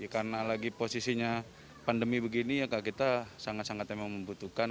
karena lagi posisinya pandemi begini kita sangat sangat memang membutuhkan